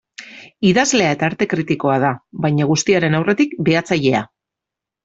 Idazlea eta arte kritikoa da, baina guztiaren aurretik, behatzailea.